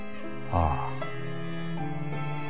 ああ。